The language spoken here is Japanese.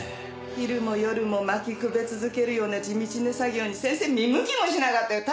昼も夜も薪くべ続けるような地道な作業に先生見向きもしなかったよ。